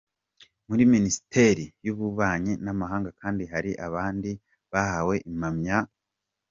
Muri Ministeri y’ububanyi n’amahanga kandi hari abandi bahawe imyanya: